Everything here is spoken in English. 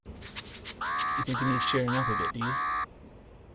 You think he needs cheering up a bit, do you?